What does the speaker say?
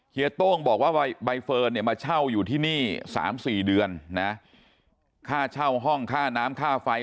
โต้งบอกว่าใบเฟิร์นเนี่ยมาเช่าอยู่ที่นี่๓๔เดือนนะค่าเช่าห้องค่าน้ำค่าไฟ